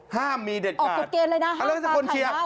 ห้ามมีเด็ดขาดอ๋อคุดเกณฑ์เลยนะห้ามปักใครเท่า